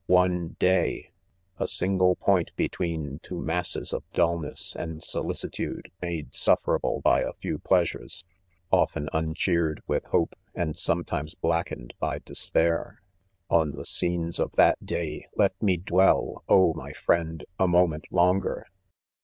One day ! A single point between E 98 IDOMEN. two massed ' of duiness and solicitude made sufferable by a few pleasures, — often uncheer° ed with hope, and sometimes blackened by despair* •. 4 On the scenes of that day, let me dwell, oh, my friend, a moment longer